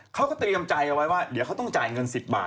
เขาก็เตรียมใจเอาไว้ว่าเดี๋ยวเขาต้องจ่ายเงิน๑๐บาท